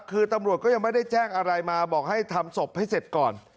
คือตำรวจก็ยังไม่ได้แจ้งอะไรมาบอกให้ทำศพให้เสร็จก่อน